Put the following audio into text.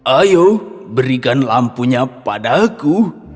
ayo berikan lampunya padaku